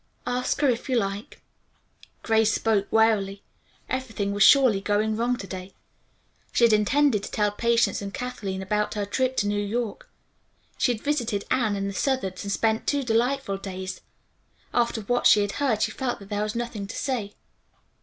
"Ask her if you like." Grace spoke wearily. Everything was surely going wrong to day. She had intended to tell Patience and Kathleen about her trip to New York. She had visited Anne and the Southards and spent two delightful days. After what she had heard she felt that there was nothing to say.